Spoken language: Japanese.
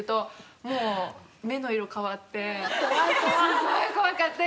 すごい怖かった。